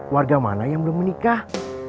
warga mana yang belum menikah